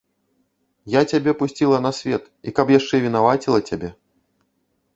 Я цябе пусціла на свет і каб яшчэ вінаваціла цябе?